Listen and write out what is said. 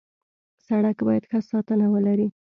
سړک باید ښه ساتنه ولري.